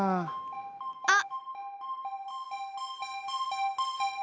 あっ！